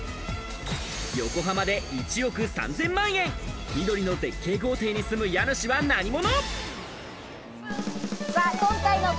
横浜で１億３０００万円、緑の絶景豪邸に住む家主は何者？